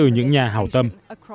những nhà hảo tâm